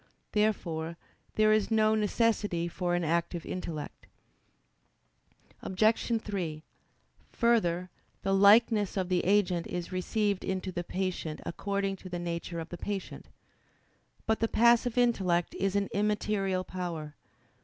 Therefore there is no necessity for an active intellect. Obj. 3: Further, the likeness of the agent is received into the patient according to the nature of the patient. But the passive intellect is an immaterial power.